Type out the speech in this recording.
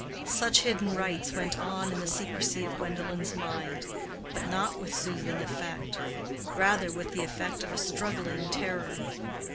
Such hidden rites went on in the secrecy of Gwendolen's mind, but not with soothing effect—rather with the effect of a struggling terror.